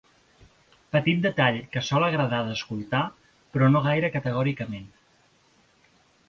Petit detall que sol agradar d'escoltar, però no gaire categòricament.